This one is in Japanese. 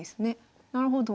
なるほど。